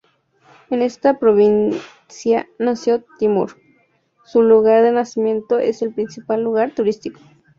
En esta provincia nació Timur; su lugar de nacimiento es el principal lugar turístico.